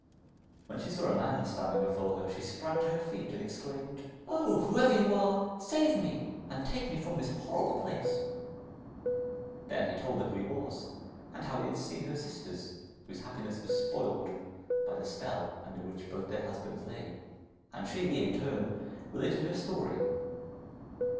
When she saw a man standing before her, she sprang to her feet and exclaimed, 'Oh, whoever you are, save me and take me from this horrible place!' Then he told her who he was, and how he had seen her sisters, whose happiness was spoilt by the spell under which both their husbands lay, and she, in turn, related her story.